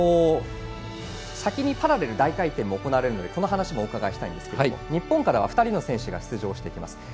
先にパラレル大回転が行われるのでこの話もお伺いしたいんですが日本からは、２人の選手が出場してきます。